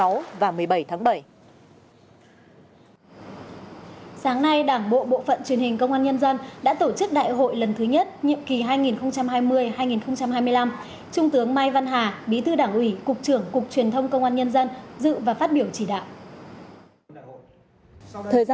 ubnd tỉnh đã tổ chức đại hội lần thứ nhất nhiệm kỳ hai nghìn hai mươi hai nghìn hai mươi năm trung tướng mai văn hà bí thư đảng ủy cục trưởng cục truyền thông công an nhân dân dự và phát biểu chỉ đạo